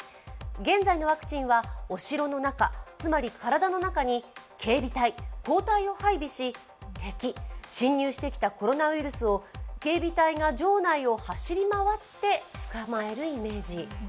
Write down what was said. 現在のワクチンはお城の中つまり体の中に警備隊、抗体を配備し敵、侵入してきたコロナウイルスを警備隊が城内を走り回って捕まえるイメージ。